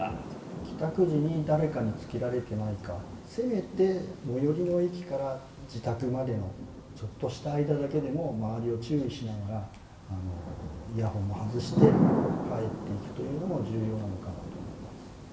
帰宅時に、誰かにつけられてないか、せめて最寄りの駅から自宅までのちょっとした間だけでも、周りを注意しながら、イヤホンも外して帰っていくというのも重要なのかなと思います。